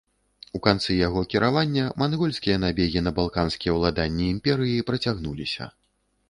У канцы яго кіравання мангольскія набегі на балканскія ўладанні імперыі працягнуліся.